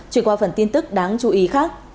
chuyển qua phần tin tức đáng chú ý khác